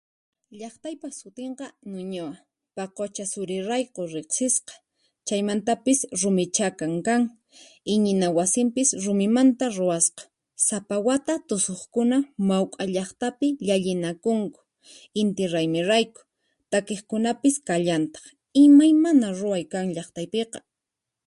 Llaqtaypaq sutinqa Nuñoa, paqucha Surirayku riqsisqa, chaymantapis rumi chakan kan, iñina wasinpis rumimanta ruwaska, sapa wata tusuqkuna mauk'a llaqtapi llallinakunku inti raymi rayku, takiqkunapis kallantaq, imaymana ruway kan llaqtaypiqa.